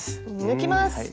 抜きます！